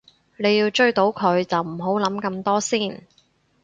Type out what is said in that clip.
你要追到佢就唔好諗咁多先